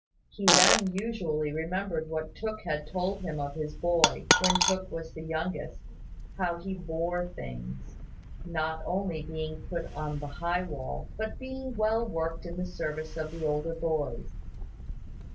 He then usually remembered what Mr Tooke had told him of his boy, when Tooke was the youngest, how he bore things not only being put on the high wall, but being well worked in the service of the older boys.